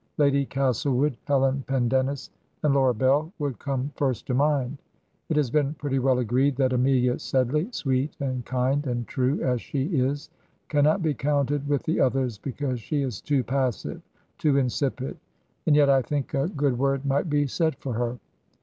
Lady Castlewood, Helen 203 Digitized by VjOOQIC HEROINES OF FICTION Pendennis, and Laura Bell would come first to mind It has been pretty well agreed that Amelia Sedley^ sweet, and kind, and true as she is, cannot be counted with the others because she is too passive, too insipid; and yet I think a good word might be said for her.